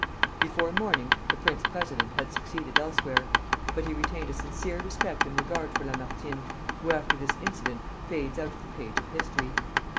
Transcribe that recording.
Before morning the prince president had succeeded elsewhere; but he retained a sincere respect and regard for Lamartine, who after this incident fades out of the page of history.